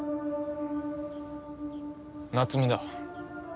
夏美だ。